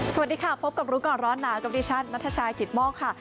สวัสดีค่ะพบกับรู้ก่อนร้อนหนาวกับดิฉันนัทชายกิตโมกค่ะ